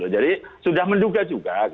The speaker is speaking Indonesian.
jadi sudah menduga juga